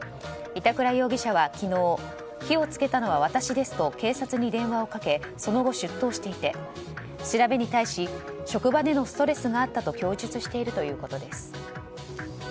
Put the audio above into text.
板倉容疑者は昨日火を付けたのは私ですと警察に電話をかけその後、出頭していて調べに対し職場でのストレスがあったと供述しているということです。